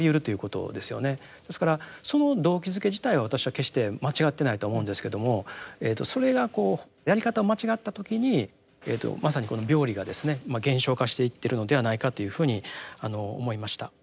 ですからその動機づけ自体は私は決して間違ってないと思うんですけどもそれがこうやり方を間違った時にまさにこの病理がですね現象化していってるのではないかというふうに思いました。